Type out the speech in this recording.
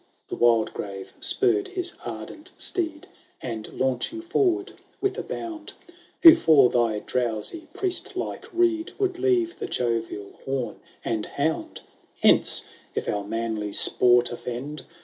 — XI The Wildgrave spurred his ardent steed, And, launching forward with a bound, " Who, for thy drowsy priestlike rede, Would leave the jovial horn and hound ? XII " Hence, if our manly sport offend